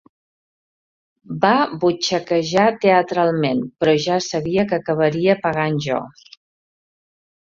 Va butxaquejar teatralment, però ja sabia que acabaria pagant jo.